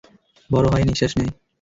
বড় হয়, নিশ্বাস নেয়।